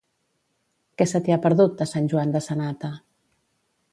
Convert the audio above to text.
Què se t'hi ha perdut a Sant Joan de Sanata?